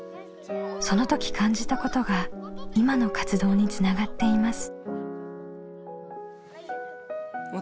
その時感じたことが今の活動につながっています。